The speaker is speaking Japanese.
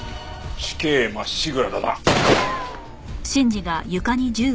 死刑まっしぐらだな。